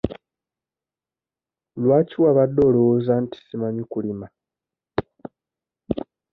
Lwaki wabadde olowooza nti simanyi kulima?